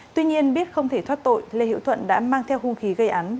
tuy nhiên biết không thể thoát tội lê hiễu thuận đã mang theo hung khí gây án